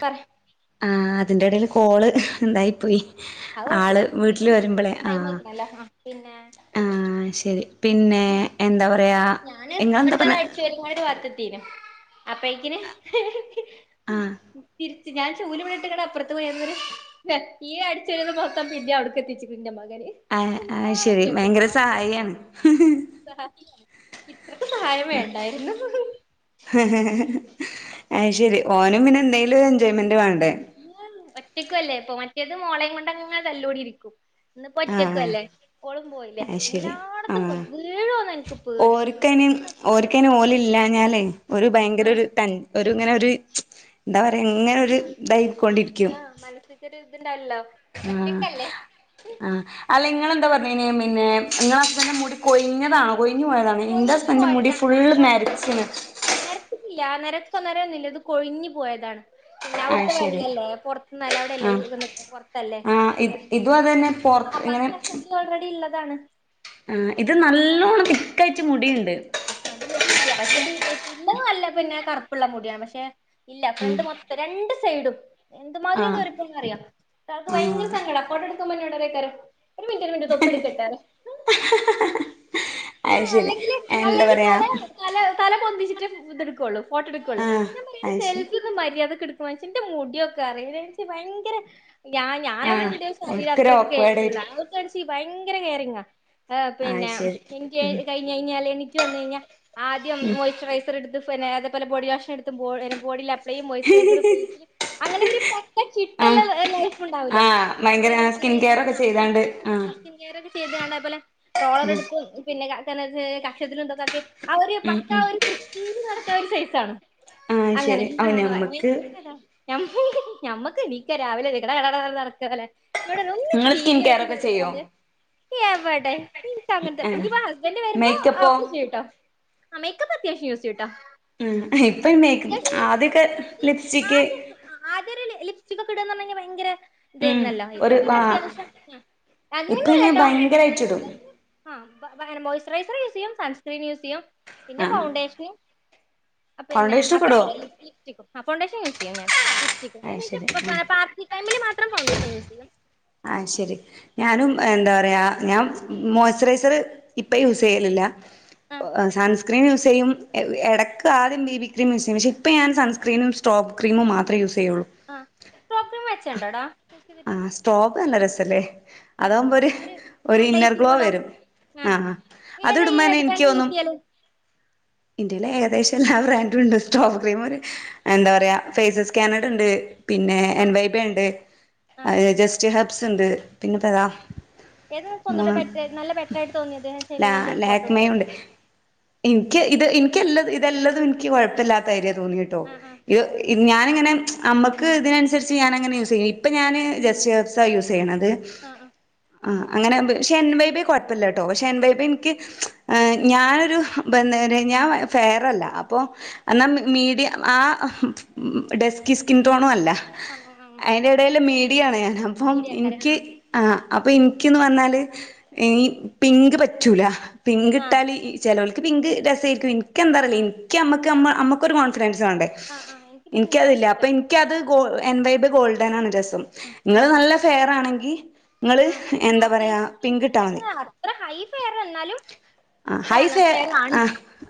പറ ആ അതിന്റെ ഇടേല് കോള് എന്തായി പോയി അത് ആള് കൊഴപ്പില്ല വീട്ടിൽ വരുമ്പോളെ ടൈം ആഹ് ആയിക്കണല്ലോ ആ പിന്നെ ആഹ് ആ ശരി പിന്നെ എന്താ പറയാ ഇങ്ങളെന്താ പറ ഒരുപാട് വാർത്തത്തീനും അപ്പ എകിന് ആഹ് ഞാൻ ചൂലി വിട്ടക്കാണ് അപ്പുറ പോയെ ഈ അടിച്ചെഴത് മൊത്തം പിന്നയ അടുക്ക എത്തിച്ചിട്ട്ന്റെ മകന് ആഹ് എന്താ അയ് ശരി ഇതിനൊക്കെ ഭയങ്കര കാട്ട സഹായിയാണ് ഇത്രക്ക് സഹായം വേണ്ടായിരുന്നു. അയ്ശരി ഓനും പിന്നെ എന്തെിലും എൻജോയ്മെന്റ് വാണ്ടേ. ഒറ്റയ്ക്കും അല്ലേ ഇപ്പൊ മറ്റേത് മോളയും കൊണ്ട് അങ്ങനെ തല്ലൂടി ഇരിക്കും ഇന്ന്പ്പം ഒറ്റക്കും ആഹ് അല്ലേ ഓളും പോയില്ലേ അയ് ശരി എല്ലാട്ത്തും കൊത്തി വീണ് പോവും ന്ക്ക് പേടി ന് കിട്ടുന്ന സ്ഥലം ഓര്ക്കയ്ന് ഓല് മുഴുവൻ കൊത്തി ല്ലാഞ്ഞാലേ ഒരു ഭയങ്കര ഒരു ട്ടെൻ. ഒരുങ്ങനെ ഒരു എന്താ പറയാ ങ്ങനെ ഒരു ആ ഇതായിക്കൊണ്ടിരിക്കും. ആഹ് മനസ്സിക്കൊരു ഇത്ണ്ടാവല്ലല്ലോ ആഹ് ഒറ്റക്കല്ലേ ആഹ് അല്ല നിങ്ങെളന്താ പറഞ്ഞിനി പിന്നെ നിങ്ങള ഹസ്ബന്റെ മുടി കൊഴിഞ്ഞതാണോ? കൊഴ്ഞ്ഞു പോയതാണ് ഇന്റെ കൊഴിഞ്ഞു ഹസ്ബന്റിന്റെ മുടി ഫുൾ നരച്ചിണ് നെരച്ചിട്ടില്ല നെരക്കൊ നെരയൊന്നില്ല ഇത് കൊഴിഞ്ഞ് പോയതാണ് പിന്നെ ആഹ് അവിടുത്തെ ശരി വെള്ളല്ലേ പുറത്ത്ന്ന് അലൗടല്ലെ ആഹ് പൊറത്തല്ലേ ആഹ് ഇത് അതൊക്ക ഇതും അതന്നെ ന്റെ പൊറത്ത് ഇങ്ങനെ വാപ്പാക്ക് കഷണ്ടി ഓൾറെഡി ള്ളതാണ്. ആഹ് ഇത് നല്ലോണ്ണം തിക്കായ്റ്റ് മുടിയുണ്ട്. അത് മുടി ഇല്ല മുടി ഇല്ലത ഇല്ലത് പിന്നെ കറുപ്പുള്ള മുടിയാണ് പക്ഷെ ഇല്ല ഫ്രണ്ട് ഉം മൊ. രണ്ട് സൈഡും എന്ത് ആഹ് ന്നറിയോ ഒരാൾക്ക് ഭയങ്കര സങ്കട ഫോട്ടോ എടുക്കുമ്പോ ഓ ന്നോട് പറേക്കാരം ഒരു മിനിറ്റ് ഒരു മിന്റ്റ്റ് തൊപ്പി എടുക്കട്ടെ പറിം അത് ഓഹ് ശരി അല്ലെങ്കിലെ എന്താ പറയാ തല തല പൊന്തിച്ചിട്ടേ ഇതെടുക്കൊള്ളൂ ഫോട്ടോ എടുക്കൊള്ളൂ ആഹ് ഞാൻ പറയല് അത് ശരി സെൽഫി [unintelligible] മര്യാദക്കെടുക്ക് മനുഷ്യ എന്റെ മുടിയൊക്കെ [unintelligible] ഭയങ്കര ഞാ ഞാനൊന്നും ആഹ് എന്റെ ശരീരം ഓര്ക്കൊരു അത്രക്ക് ഓക്ക്‌വേഡായിരി കഴ്‌കുളാ [unintelligible] ഭയങ്കര കേയറിങ്ങ ഏഹ് അത് പിന്നെ ശരി എനിക്ക് ഉം കഴിഞ്ഞ് കഴിഞ്ഞാല് എനിക്ക് വന്ന് കഴിഞ്ഞാ ആദ്യം ഉം ഓൽ ട്രൈസർ എടുത്ത് ഫനേ അതേ പോലെ ബോഡി വാഷ് എടുത്ത് ബോ [unintelligible] പ്ലൈയിൻ മോയ്സ്റ്ററസർ ഫെയ്സില് അങ്ങനെ ഒരു പക്ക ചിട്ടൊള്ള ആഹ് ലൈഫ് ഉണ്ടാവൂലേ ആഹ് ഭയങ്കര റോളർ സ്കിൻ കെയർ ഒക്കെ എടുത്ത് ചെയ്താണ്ട് ആഹ് ആ സ്കിൻ കെയറൊക്കെ ചെയ്തുംങ്ങാണ്ട് അതേ പോലെ റോളർ ഉം എടുത്ത് പിന്നെ ക [unintelligible] കക്ഷത്തിലും ഇതൊക്കെ ആക്കി അവര് ഉം പക്ക ഉം ഒരു വൃത്തീല് നടക്കണ ഒരു സൈസാണ് ആഹ് അങ്ങനെ ശരി ആ അങ്ങനെ ഞമ്മക്ക് ഒരു കഥ. ഞമ്മ ഞമ്മക്ക് എനീക്ക രാവിലെ [unintelligible] നടക്കുവെല ഇന്നോട് പറയും ഒന്ന് നിങ്ങള് സ്കിൻ കെയർ ചീഞ്ഞൊലിച്ച് ഒക്കെ ചെയ്യോ നടക്കാതെ എവടെ. [unintelligible] അങ്ങന്ത്ത ആഹ് ഇന്നിപ്പോ ഹസ്ബൻഡ് വരുമ്പോ മേക്കപ്പോ അപ്പം ചെയ്യുംട്ടോ ആഹ് മേക്കപ്പ് അത്യാവശ്യം യൂസേയ്യും ട്ടാ. ഉംഹ് ഇപ്പ ഈ മേക് ആദ്യമൊക്കെ ലിപ്സ്റ്റിക്ക്. ആഹ് ആദ്യൊരു ലി ലിപ്സ്റ്റിക്കൊക്കെ ഇടാന്ന്‌ പറഞ്ഞു കഴിഞ്ഞാ ഭയങ്കര ഉം ഇതായിരുന്നല്ലോ ഇപ്പൊ ഒരു പിന്നെ ആ അത്യാവശ്യം ആഹ് ഇപ്പൊ ഞാൻ അങ്ങനല്ലട്ടോ ഭയങ്കരായിട്ട് ഇടും മോയ്സ്റ്ററൈസറ് ആഹ് പ പ അങ്ങനെ മോയ്സ്റ്ററൈസർ യൂസ് ചെയ്യും സൺസ്ക്രീൻ യൂസ് ചെയ്യും പിന്നെ ആഹ് ഫൗണ്ടേഷന് പിന്നെ ഫൗണ്ടേഷൻ ഒക്കെ ഇടുവോ അത്രേള്ളു ലിപ് ലിപ്സ്റ്റിക്കും ആഹ് ഫൗണ്ടേഷൻ യൂസ് ചെയ്യും ഞാൻ ലിപ്സ്റ്റിക്കും അത് ശരി കഴിഞ്ഞിട്ട് പ പ ആഹ് പാർട്ടി ട്ടൈമില് മാത്രം ഫൗണ്ടേഷൻ യൂസ് ചെയ്യും. ആഹ് ശരി. ആ ഞാനും എന്താ പറയാ ഞാൻ മോയ്സ്റ്ററൈസർ ഇപ്പം യൂസ് ചെയ്യലില്ല ആ ഓഹ് ആഹ് സൺസ് ക്രീം യൂസ് ചെയ്യും എ എടക്ക് ആദ്യം ബി ബി ക്രീം യൂസെയ്യും പക്ഷെ ഇപ്പോ ഞാൻ സൺസ്ക്രീനും സ്ട്രോബ് ക്രീമും മാത്രേ യൂസെയ്യുള്ളൂ. ആഹ് സ്ട്രോബ് ക്രീം മെച്ചണ്ടോടാ യൂസെയ്തിട്ട്? ആഹ് സ്ട്രോബ് നല്ല രസല്ലേ അതാകുമ്പോ ഒര് ഒരു ഒര് ആ ഇന്നർ ഗ്ലേസിംഗ് ഗ്ലോ ഉണ്ടാവും വരും ആ ആഹ് ആഹ് ഏതാ ഈ അത്ടുമ്പന്നെ എടുക്കാണ്ട് എനിക്കോന്നും യൂസ് ചെയ്യല് എന്റേല് ഏകദേശം എല്ലാ ബ്രാൻഡും ഉണ്ട് സ്ട്രോബ് ക്രീമ് ഒര് എന്താ പറയാ ഫേയ്സസ് കാനഡ ണ്ട് പിന്നെ ആ എൻ വൈബ ണ്ട്. ആ ഏഹ് ജസ്റ്റ് ഹെർബ്സ് ഇണ്ട് പിന്നെപ്പേ ഏതാ ഏതുസ്സാ ഒന്നുടെ ബെറ്ററായിട്ട് നല്ല ബെറ്ററായിട്ട് തോന്നിയത് ലാ ചെല്ലുന്നെന്റെ ഒരു ഫോട്ടോ ലാക്മയും ഇട്ടിട്ടുണ്ട് ഉണ്ട് എനിക്ക് ഇത് എനിക്കെല്ലത് ഇതെല്ലതും എനിക്ക് കൊഴപ്പല്ലാത്ത മാതിരിയ തോന്നിയെട്ടൊ ആ ആ ഇത് ഞാനിങ്ങനെ അമ്മക്ക് ഇതിനനുസരിച്ച് ഞാനങ്ങനെ യൂസ് ചെയ്യും ഇപ്പം ഞാന് ജസ്റ്റ്‌ ഹെർബ്സാ യൂസ് ചെയ്യണത് ആഹ് ആഹ് ആഹ് അങ്ങനെ ആവുമ്പൊ പക്ഷെ എൻ വൈ ബെ കൊഴപ്പല്ലട്ടോ പക്ഷെ എൻ വൈ ബെ എനിക്ക് ഏഹ് ഞാനൊരു [unintelligible] ഞാൻ ഫെയറല്ല അപ്പൊ എന്നാ മീ മീഡിയം ആ ഡെസ്ക്കി സ്കിൻ ടോണും അല്ല [unintelligible] ന്റെല് മീഡിയാണ് ഞാന് അപ്പം മീഡിയ ആക്കാരെ എനിക്ക് ആഹ് അപ്പൊ എനിക്കീന്ന് പറഞ്ഞാല് ഈ പിങ്ക് പറ്റൂല പിങ്ക് ആ ആ ഇട്ടാല് ഈ ചെലൊൾക്ക് പിങ്ക് രസായിരിക്കും എനിക്ക് എന്താറിയില്ല ആ എനിക്ക് അമ്മക്ക് അമ്മ അമ്മക്കൊരു കോൺഫിഡൻസ് വേണ്ടേ ആഹ് ആഹ് എനിക്ക് പിങ്കാണ് എനിക്കതില്ല അപ്പൊ ഇഷ്ടം എനിക്കത് ഗോ എൻ വൈ ബെ ഗോൾഡനാണ് രസം ആഹ് നിങ്ങള് ആഹ് ആഹ് നല്ല ഫെയറാണെങ്കി നിങ്ങള് ആഹ് എന്താ പറയാ അത്യാവശ്യം എനിക്ക് പിങ്ക്ട്ടാ മതി വെച്ചാ അത്ര ഹൈ ഫെയർ എന്നാലും ആ ഹൈ ഇതാണ് ഫേ ഫെയറാണ് ആ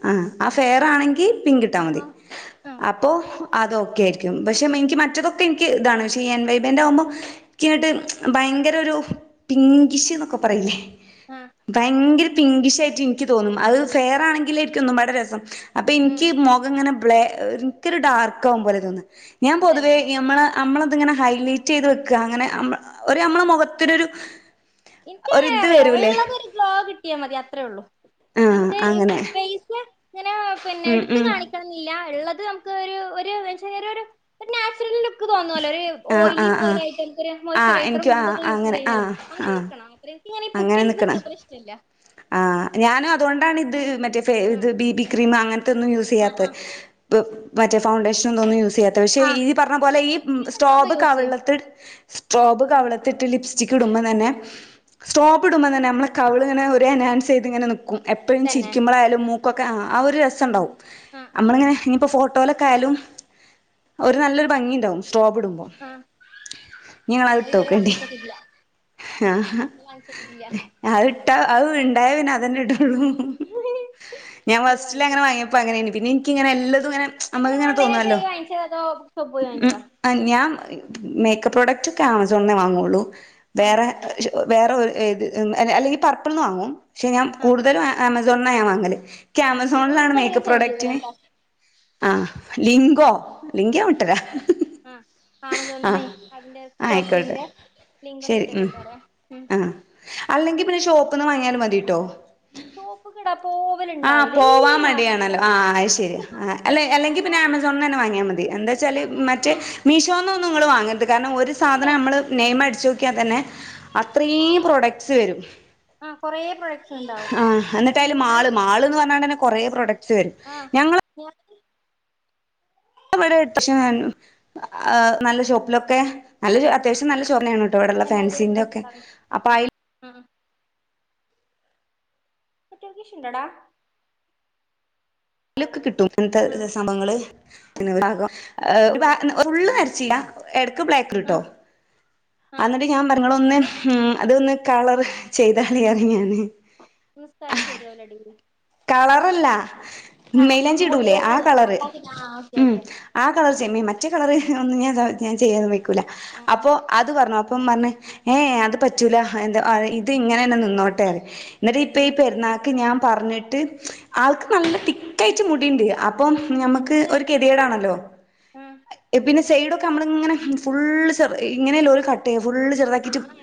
ആ അ ഫെയർ ആണെങ്കി പിങ്ക് ഇട്ടാ മതി ആഹ് അപ്പോ അതോക്കെയായിരിക്കും പക്ഷെ മ എനിക്ക് മറ്റതൊക്കെ എനിക്ക് ഇതാണ് പക്ഷെ ഈ എൻ വൈ ന്റെഅകുമ്പോ നിക്കങ്ങോട്ട് ഭയങ്കര ഒരു പിങ്കിഷ് എന്നൊക്കെ പറയില്ലേ ആ ഭയങ്കര പിങ്കിഷ് ആയിട്ട് എനിക്ക് തോന്നും അത് ഫെയർ ആണെങ്കിലെ ആയിരിക്കും ഒന്നും പടെ രസം അപ്പൊ എനിക്ക് മുഖം ഇങ്ങനെ ബ്ലാ എനിക്കൊരു ഡാർക്ക് ആകും പോലെ തോന്നുന്നു ഞാൻ ഉം തന്നെ പൊതുവേ ഞമ്മള് നമ്മളതിങ്ങനെ ഹൈലൈറ്റ് ചെയ്ത് വെക്കുക അങ്ങനെ മ്മ ഒരു നമ്മള് മുഖത്തിനൊരു എനിക്കഎങ്ങന ഒരിത് അറിയോ വരൂലേ ഉള്ളതോരു ഗ്ലോ കിട്ടിയാ മതി അത്രേള്ളൂ ആഹ് നമ്മുക്ക് ഇ അങ്ങനെ ഫേസ് ല് ഇങ്ങനെ ഉം ഉം ന്ന്ല്ല ഉള്ളത് നമുക്ക് ഒരു ഒരു ചെറിയോരു ഒരുനാച്ചുറൽ ലുക്ക്‌ ലുക്ക്‌ തോന്നലോ ഒരു ആഹ് ഓയിലി ആഹ് ആഹ് പോലായിട്ട് ഒരു ആഹ് മോസ്ചറൈസറും എനിക്കും ആഹ് ഇന്തൊക്കെ യൂസ്ചെയ്തു അങ്ങനെ കഴിഞ്ഞാല് ആഹ് അങ്ങനെ ആഹ് നിക്കണം എനിക്കിങ്ങനെ ഇ അങ്ങനെ പൂട്ടിയടിച്ച് നിക്കുന്ന നിക്കണ് അത്ര ഇഷ്‌ടില്ല ആഹ് ഞാനും അതുകൊണ്ടാണ് ഇത് മറ്റേ ഫേ ഇത് ബിബി ക്രീം അങ്ങനത്തെ ഒന്നും യൂസ് ആഹ് ചെയ്യാത്തെ ആഹ് പ് മറ്റേ ഫൗണ്ടേഷനനോന്നും യൂസ് ചെയ്യാത്തെ പക്ഷെ ആഹ് ഈ പറഞ്ഞ ഞാനത് പോലെ ഈ ഫങ്ഷനൊക്കെ ഉണ്ടാവുമ്പോ സ്ടോബ് യൂസ് ചെയ്യും കവിളത്ത് സ്ടോബ് ഉം കവിള ത്ത്ട്ട് ലിപ്സ്റ്റിക് ഇടുമ്പോ തന്നെ സ്ടോബ് ഇടുമ്പോ തന്നെ നമ്മുടെ കവിളിങ്ങനെ ഒ എൻഹാൻസ് ചെയ്ത് ഇങ്ങനെ നിൽക്കും എപ്പോഴും തന്നെ ചിരിക്കുമ്പോളായാലും മൂക്കൊക്കെ അ ആ ഒരു രസംഉണ്ടാവും ആഹ് നമ്മളിങ്ങനെ ഇനിയിപ്പോ ഫോട്ടോ ലുക്കായാലും ഒരു നല്ലൊരു ഭംഗിയുണ്ടാവും സ്ടോബ് ഇടുമ്പോ ആഹ് ഇനി ഞാൻ ഇതുവരെ വാങ്ങിച്ചട്ടില്ല ആഹാ അത് ഇട്ടാ അത് ഉണ്ടായ പിന്നെ അതന്നെ ഇടുള്ളൂ ഉയ്യൊടീ ഇനിവാങ്ങിച്ചേരെ വാങ്ങിയപ്പോ അങ്ങനെയാണ് പിന്നെ എനിക്കിങ്ങനെ ആഹ് എല്ലതും ഇങ്ങനെ എങ്ങന നമ്മുക്ക് ഇങ്ങനെ ഓൺലൈൻ ആയിട്ട് തോന്നുവല്ലോ വാങ്ങിചതോ അതോ പ്പപ്പോയിവാങ്ങിച്ച ആ ഞാൻ മേക്കപ്പ് പ്രോഡക്റ്റ് ഒക്കെ ആമസോണിന്നേ വാങ്ങുള്ളൂ വേറെ ആമസോണിലാ വേറെ ഒ ഏത് ന്ന അല്ല അല്ലെങ്കിൽ പർപ്പിളിന്ന് വാങ്ങും പക്ഷെ ഞാൻ ആഹ് കൂടുതലും ആ ആമസോ സോണ്ന്ന ഞാൻ വാങ്ങല് നിക്ക് ഓക്കെ എന്നാ ആമസോണിലാണ് ലിങ്ക് ഉണ്ടെങ്കി ഒന്ന് മേക്കപ്പ് സെൻഡ് ചെയ്ത് പ്രോഡക്റ്റന് തരാട്ടോ ആഹ് ലിങ്കോ ലിംങ്ക് ഞാൻ വിട്ടരാ ആ ആമസോണിന്നെ ആഹ് അതിന്റെ സ്സ്ട്രോ ആയിക്കോട്ടെ ക്രിമിന്റെ ലിങ്ക് ഒന്ന് ശരി ഉം വിട്ടിട്ടണ്ടര ഉ ആഹ് അല്ലെങ്കിൽ പിന്നെ ഷോപ്പ്ന്ന് വാങ്ങിയാലും മതിട്ടോ ഷോപ്പ്കെട പോ ആഹ് പോവാൻ മടിയാണല്ലോ ആ അയ് ശരി ഈ മക്കളീ അല്ലെ മരിച്ചിട്ട് അല്ലെങ്കിൽ പിന്നെ ഞാൻ ആമസോൺന്ന് തന്നെ വാങ്ങിയാ മതി എന്താ ഇപ്പൊ ച്ചല് മറ്റേ മീഷോന്ന്ന്നും നിങ്ങളു വാങ്ങരുത് കാരണം ഒരു ഇല്ലേ സാധനം നമ്മൾ നെയമ് അടിച്ച് നോക്കിയാൽ തന്നെ അത്രയും പ്രൊഡക്ട്റ്റ്സ് വരും ആ കൊറെേ പ്രോ- ആ എന്നിട്ടയില് മാള് മാൾന്ന് പറഞ്ഞത്തന്നെ കൊറ പ്രൊഡക് സ് വരും ഞങ്ങള [unintelligible] ഇവിടെ് നല്ല ഷോപ്പിലൊക്കെ നല്ല അത്യാവശ്യം നല്ല ഷോറ്നൊണ്. ടള്ള ഫാൻസിന്റെക്കെ അപ്പൊ അയി ആഹ് തോട്ടൊക്കി ഷിന്തെടാ ലൊക്കെ കിട്ടും ആഹ് അങ്ങനത്തെ സംഭവങ്ങള്. പിന്നെ ഇവിട ആക [unintelligible] ഫുള്ള് നരച്ചില. എടക്ക് ബ്ലാക്കിലിട്ടോ ആഹ് ആഹ് അന്നിട്ട് ഞാൻ പറഞ്ഞ് ഇങ്ങളൊന്ന് ഇത് ഉം അതൊന്ന് കളറ്, ചെയ്താ ലെ അങ്ങിനെയാണ്. നിസ്ക്കാര് ശെരിയാവൂല ടീ കളറല്ല, മൈലാഞ്ചി ഇങ്ങോട്ട് ഇടൂലെ, ആഹ് കളറ്. ഓക്കെ ഉം ഓക്കെ ആഹ്, കളർ ചെയ്യും. മറ്റെ കളറ് ഒന്നും ഞാൻ താ ഞാൻ ചെയ്യാനു പേ ക്കുല ആഹ് ആഹ് അപ്പൊ, അത് പറഞ്ഞു. അപ്പം പറഞ്ഞ്. ഏഹ് അത് പറ്റൂലാ എന്താ അ ഇത് ഇങ്ങനെന്നെ നിന്നോട്ടേ പറയും എന്നിട്ട് ഇപ്പ ഈ ഉം പെര്ന്നാ ക്ക് ഞാൻ പറഞ്ഞിട്ട്. ക് ആൾക്ക് നല്ല തിക്കായ്ട്ട് മുടിണ്ട് അപ്പം ആഹ് ഞമ്മക്ക് ഇത് ഒരു നേരെ തിരിച്ച് കെത്യേടാണല്ലൊ ആഹ് പിന്നെ സൈഡൊക്കെ നമ്മളിങ്ങനെ ഫുള് ഇങ്ങനല്ലെഓല് കട്ട് ചെയ്യാ ഫുള് ചെറ്താക്കിറ്റ് ആഹ്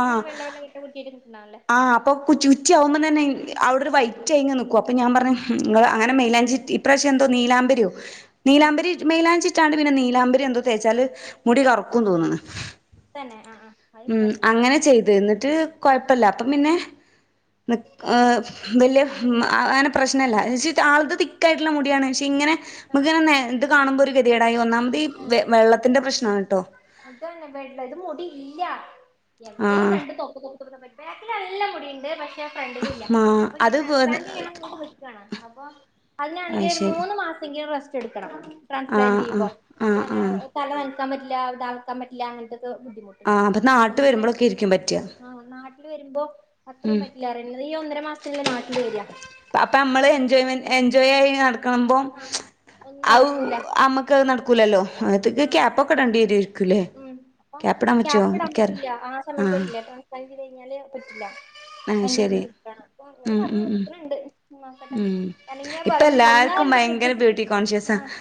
ആ ഇങ്ങനെ വെള്ള വെള്ള കെട്ട് കുത്തിയിട്ട് നിക്കുന്നാണല്ലേ ആ അപ്പൊച്ച ഉച്ച ആകുമ്പോ തന്നെ അവിടെ ഒരു വൈ [unintelligible] നിക്കോ അപ്പ ഞാൻ പറഞ്ഞു നിങ്ങള് അങ്ങനെ മൈയിലഞ്ചി ഇറ്റ് ഇപ്രാവശ്യം എന്തോ നീലാമ്പരിയോ ആഹ് നീലാംമ്പരി മെലാഞ്ചി ഇട്ടാണ്ട് പിന്നെ, നീലാമ്പരി എന്തോ തേച്ചാല് മുടി കറ്ക്കും തോന്ന് ണ്. തന്നെ ആഹ് ആഹ് അത് ഉം, എനിക്കറിയില്ലട്ടോ അങ്ങനെ ചെയ്ത്. ഇന്നിട്ട് കൊയപ്പല്ല. അപ്പം, പിന്നെ നിക്, ഏഹ് വല്യ ഉംമ് അങ്ങനെ പ്രശ്നല്ല ന്നുച്ച ആളത് തിക്കായിട്ടുള്ള മുടിയാണ് പക്ഷെ ഇങ്ങനെ നമ്മുക്ക് ഇങ്ങനെ ഇത് കാണുമ്പോ ഒരു ഗെതികെടായി വന്നാമതീ ആഹ് ഇത് വെള്ളത്തിന്റെ പ്രശ്നാണ് ട്ടോ അതാണ് വേ ഇള്ളത് മുടി ഇല്ല എവിടെയും ആഹ് രണ്ട് തൊപ്പ്‌ തൊ ബാക്കില് നല്ല മുടിണ്ട് പക്ഷെ ഫ്രണ്ടിലില്ല മാ അപ്പൊ ഇഞ്ഞി അത് ട്രാൻസ്പ്ലാന്റ് ചെയ്യണം ന്നിട്ട് അപ്പൊ അതിനാണെങ്കി അയ് ഒരു ശരി മൂന്ന് മാസെങ്കി റസ്റ്റ് എടുക്കണം ട്രാൻസ്‌പ്ലാ ആഹ് തിപ്പൊ ആഹ് ആഹ് പിന്നെ ആഹ് തല നൻക്കാൻ പറ്റില്ല ഇതാക്കാൻ പറ്റില്ല അങ്ങൻത്തൊക്കെ ബുദ്ധി ആഹ് അപ്പൊ നാട്ട് അങ്ങനെ വരുമ്പോഴൊക്കെ ഇരിക്കും പറ്റാ ആഹ് നാട്ടില് വരുമ്പം അത്രേം ഉം പറ്റി കുറഞ്ഞത് ഈ ഒന്നര മാസത്തിന് അല്ലേ നാട്ടില് വെരാ അപ്പൊ നമ്മള് എൻജോയ്മെന്റ് എൻജോയ് ആയി നടക്കണ് മ്പോ ആ ഒന്നും ഔ നടക്കൂല അമ ഇക്കത് നടക്കൂലല്ലോ അകത്ത്ക്ക് ആഹ് ക്യാപ്പൊക്കെ ഇടേണ്ടി വെരേരിക്കും ലേ ഉം അപ്പൊ ക്യപ്പ്ടാം പറ്റ്യോ കേർ ആഹ് കഴിഞ്ഞ് കയിഞ്ഞാല് പറ്റില്ലാ ആഹ് ഭയങ്കര ശരി ബുദ്ധിമുട്ടാണ് അപ്പൊ അങ്ങനെ ഉം പറഞ്ഞ് ഉം ഉം നിക്കണ് ഇണ്ട് നോക്കട്ടെ ഉം കാരണം ഇനി ആഹ് ഇപ്പൊ [unintelligible] എല്ലാർക്കും എന്നാൻ്റെ ഭയങ്കര ബ്യൂട്ടി [unintelligible] കോൺഷ്യസാ ആഹ്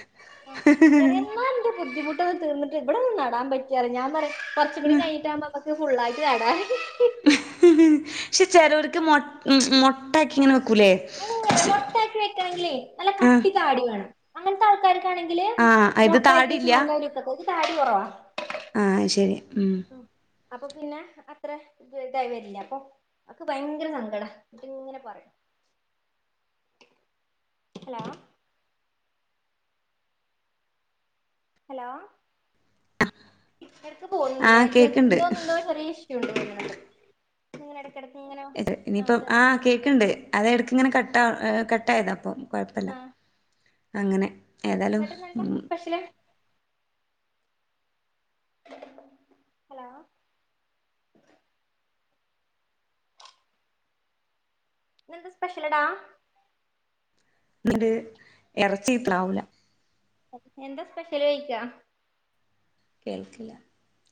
[unintelligible] ബുദ്ധിമുട്ടൊക്കെ തീർന്നിട്ട് ഇവടന്ന് ആടാൻ പറ്റൊല്ല ഞാൻ പറഞ്ഞ് കൊറച്ചു കൂടി കഴിഞ്ഞിട്ടാമ്പോ നമ്മ ഇത് ഫുള്ളായ്റ്റ് കാടാ പക്ഷെ ചെലോര്ക്ക് മൊ ഉം ഉം മൊട്ടാക്കിങ്ങനെ വെക്കൂലെ അയ്നിങ്ങനെ മൊട്ടാക്കി വെയ്ക്കണെങ്കിലെ നല്ല ആഹ് കട്ടി താടി വേണം അങ്ങൻത്തെ ആൾക്കാരൊക്കാണെങ്കില് ആഹ് ഇത് മൊട്ടാക്കി വെച്ച താടില്ല നല്ല രസണ്ട് ഇത് താടി കൊറവാ ആഹ് അയ് ശെരി ഉംഹ് അപ്പൊ പിന്നെ അത്ര [unintelligible] വെരില്ല അപ്പൊ അവക്ക് ഭയങ്കര സങ്കട ഇന്നിട്ട് ഇങ്ങനെ പറയും [inaudible] ഹലോ ഹലോ എടക്ക് പോന്നുണ്ടല്ലെ ആഹ് നെറ്റ് വർക്ക് കേക്ക്ണ്ട് എന്തോന്ന് എന്തോ ചെറിയ ഇഷ്യു [unintelligible] നിങ്ങടെ എടക്ക് ഇങ്ങനെ ഇത് ഇനിയിപ്പം ചെറുതായിട്ട് ആഹ് ഇങ്ങനെണ്ട് കേക്ക്ണ്ട് അത് എട്ക്ക് ആഹ് ഇങ്ങനെ കട്ട കട്ടായതാ അപ്പം കൊഴപ്പല്ല ആഹ് അങ്ങനെ ഏതായാലും ഉം പക്ഷേ ഹലോ ഇന്നെന്താ സ്പെഷ്യലെടാ? ന്ന്ട്ട് എറച്ചി ഇത്രാവൂല എന്താ സ്പെഷ്യല് ചോയിക്കാ കേൾക്കില്ല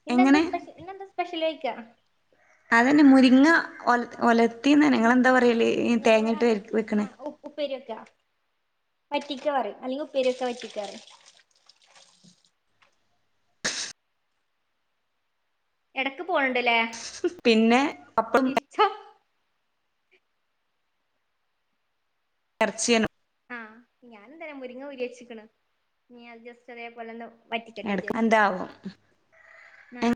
ഇന്നെന്താ എങ്ങനെ സ്പെഷ്യ ഇന്നെന്താ സ്പെഷ്യല് ചോയിക്ക അതെന്നെ മുരിങ്ങ ഒല ഒലത്തിന്നെ ഇങ്ങളെന്താ പറയല്? ഈ ഞങ്ങളെ തേങ്ങയിട്ട് നാട്ടിൽ ആ വെക്ക്ണേ ഉ ഉപ്പേരി വെക്കാ വറ്റിക്കാ പറയും അല്ലെങ്കിൽ ഉപ്പേരി വെക്ക വറ്റിക്കാ പറയും എടക്ക് പോണണ്ടല്ലേ? പിന്നെ അപ്പ [unintelligible] ചൊ എർച്ചേനു ആഹ് ഞാനും ഇതെന്നെ മുരിങ്ങ ഊരി വെച്ച്ക്ക്ണ് ഇനി അത് ജസ്റ്റ് അതേപോലെ ഒ വറ്റിക്കട്ടെ എടക്ക് വിചാരിച്ചിട്ട് എന്താവോ ആഹ്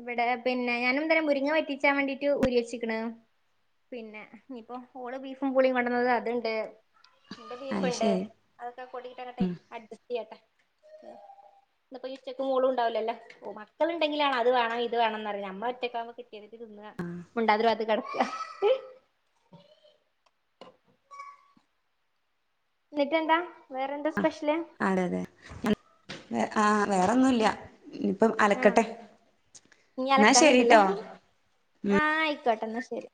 ഇവിടെ പിന്നെ ഞാനും തന്നെ മുരിങ്ങ വറ്റിച്ചാൻ വേണ്ടീട്ട് ഊരി വെച്ച്ക്ക്ണ് പിന്നെ ഇനിപ്പം ഓള് ബീഫും പുളിയും കൊണ്ടെന്നത് അത്ണ്ട് ഇവടെ അത് ബീഫ്ണ്ട് ശരി അതൊക്കെ പൊടീട്ടങ്ങട്ടെ ഉം അഡ്ജസ്റ്റ് ചെയ്യട്ടെ അപ്പൊ ഇന്നിപ്പോ ഉച്ചക്ക് മോളും ഉണ്ടാവൂലല്ലേ? ഓ മക്കള്ണ്ടെങ്കിലാണ് അത് വേണം ഇത് വേണം പറയാ നമ്മള് ഒറ്റക്കാവുമ്പോ കിട്ടിയത്ട്ട് തിന്നാ മുണ്ടാതെ ഒര് പാത്ത് കെട ന്ന്ട്ടെന്താ വേറെന്താ സ്പെഷ്യല്? ആരാത് ആ വേറൊന്നുംല്ല ഇനിപ്പം ആഹ് അലക്കട്ടെ ഇനി ന്നാ അലക്കാനുണ്ടല്ലേ ശരിട്ടോ ആഹ് ആയിക്കോട്ടെ ന്നാ ശരി